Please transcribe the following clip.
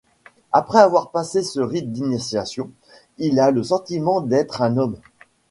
Après avoir passé ce rite d'initiation, il a le sentiment d'être un homme.